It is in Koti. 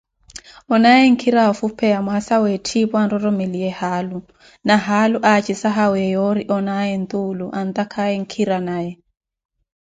Onaaye nkhira woofupheya mwaasa wa vitthu za etthiipo, anroromeliye haalu, na haalu acisahawiye yoori onaaye ntuulu antakhaaye nkhira naye.